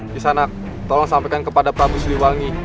kisanak tolong sampaikan kepada prabu siliwangi